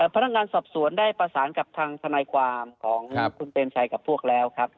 พนักงานสอบสวนได้ประสานกับทางทนายความของคุณเปรมชัยกับพวกแล้วครับ